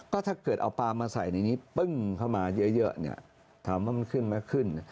ก็ถ้าเกิดเอาปลามาใส่ในนี้ปึ้งเข้ามาเยอะถามว่ามันขึ้นไหมขึ้น